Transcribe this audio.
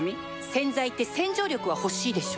洗剤って洗浄力は欲しいでしょ